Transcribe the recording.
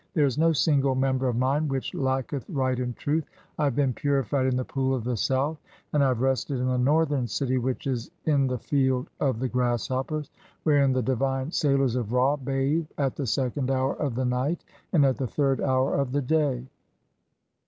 There is no single "member of mine which lacketh right and truth. (19) I have "been purified in the Pool of the south, and I have rested in "the northern city which is in the Field of the Grasshoppers, "wherein the divine sailors of Ra bathe at the (20) second hour "of the night and at the third hour of the day.